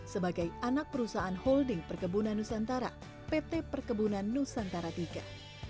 sebagai anak perusahaan holding perkebunan nusantara pt perkebunan nusantara iii